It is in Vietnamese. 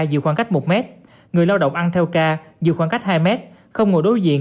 dự khoảng cách một mét người lao động ăn theo ca dự khoảng cách hai mét không ngồi đối diện